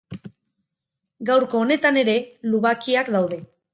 Gaurko honetan ere lubakiak daude.